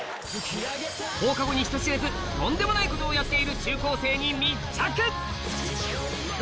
放課後に人知れずとんでもないことをやっている中高生に密着！